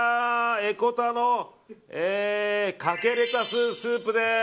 江古田のかけレタススープです。